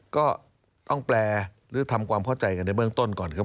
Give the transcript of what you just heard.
ก็ต้องแปลหรือทำความเข้าใจกันในเบื้องต้นก่อนครับ